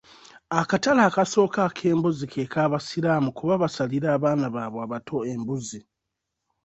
Akatale akasooka ak'embuzi ke k'abasiraamu kuba basalira abaana babwe abato embuzi.